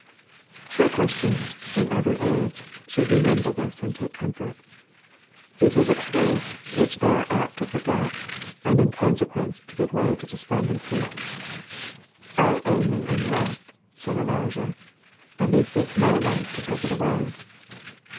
True Christians, in every age, should remember this and take comfort. It is a truth which they are apt to forget, and in consequence to give way to despondency. •* I only am left," said Elijah, " and they seek my life to take it away."